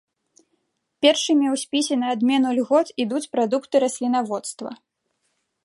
Першымі ў спісе на адмену льгот ідуць прадукты раслінаводства.